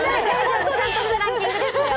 ちゃんとしたランキングですよ。